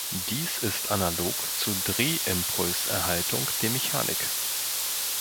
Dies ist analog zur Drehimpulserhaltung der Mechanik.